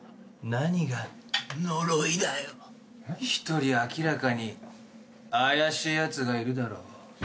１人明らかに怪しいやつがいるだろ。